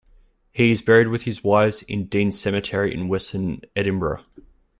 He is buried with his wives in Dean Cemetery in western Edinburgh.